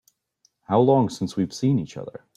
How long since we've seen each other?